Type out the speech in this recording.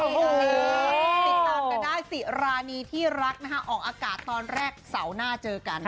ติดตามกันได้สิรานีที่รักออกอากาศตอนแรกเสาร์หน้าเจอกัน